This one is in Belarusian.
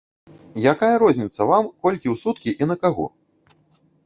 Якая розніца вам, колькі ў суткі і на каго?